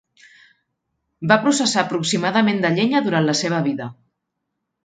Va processar aproximadament de llenya durant la seva vida.